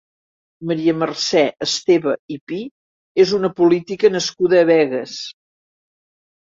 Maria Mercè Esteve i Pi és una política nascuda a Begues.